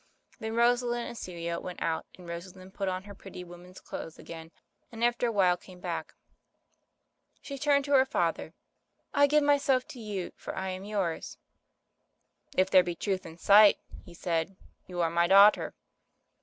Then Rosalind and Celia went out, and Rosalind put on her pretty woman's clothes again, and after a while came back. She turned to her father — "I give myself to you, for I am yours.' "If there be truth in sight," he said, "you are my daughter."